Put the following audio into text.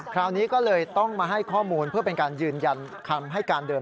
คราวนี้ก็เลยต้องมาให้ข้อมูลเพื่อเป็นการยืนยันคำให้การเดิม